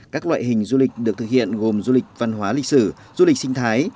các loại hình du lịch được thực hiện gồm du lịch văn hóa lịch sử du lịch sinh thái